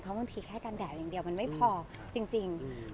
บางทีแค่กันแดดอย่างเดียวมันไม่พอจริง